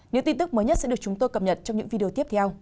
những tin tức mới nhất sẽ được chúng tôi cập nhật trong những video tiếp theo